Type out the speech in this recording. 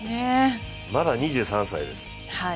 まだ２３歳です。